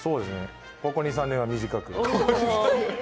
ここ２３年は短く。